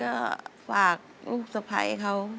ก็ฝากลูกสะพัยเขา